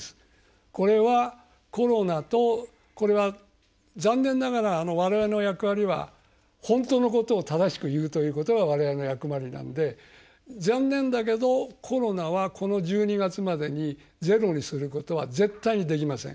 これはコロナとこれは残念ながら我々の役割は、本当のことを正しく言うということが我々の役割なんで、残念だけどコロナは、この１２月までにゼロにすることは絶対にできません。